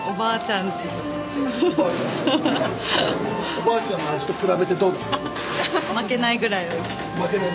おばあちゃんの味と比べてどうですか？